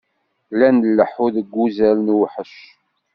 La nleḥḥu deg uzal, newḥec.